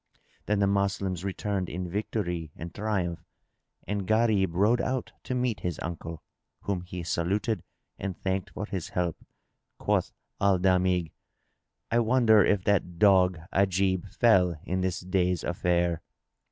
Then the Moslems returned in victory and triumph, and Gharib rode out to meet his uncle, whom he saluted and thanked for his help. Quoth Al Damigh, "I wonder if that dog Ajib fell in this day's affair."